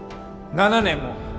７年も！